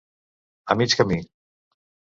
A mig camí.